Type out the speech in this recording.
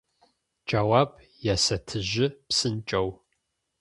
Джэуап ясэтыжьы псынкӏэу…